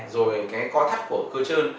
rồi cái co thắt của cơ chơn